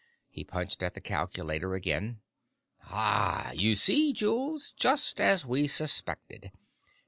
He punched at the calculator again. "Ah! You see, Jules! Just as we suspected!